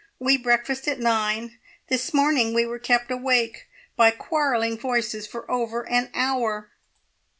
We breakfast at nine. This morning we were kept awake by quarrelling voices for over an hour."